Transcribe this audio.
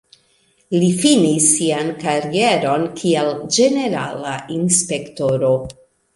Li finis sian karieron kiel ĝenerala inspektoro.